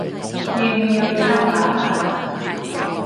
要唔要參考下